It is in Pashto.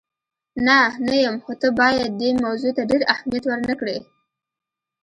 نه، نه یم، خو ته باید دې موضوع ته ډېر اهمیت ور نه کړې.